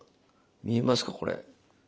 見えますかこれ。